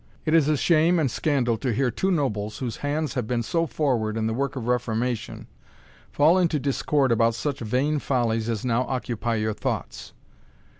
It is a shame and scandal to hear two nobles, whose hands have been so forward in the work of reformation, fall into discord about such vain follies as now occupy your thoughts.